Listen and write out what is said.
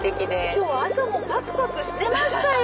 今日朝もパクパクしてましたよ。